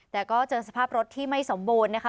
แต่ก็เจอสภาพรถที่ไม่สมบูรณ์นะคะ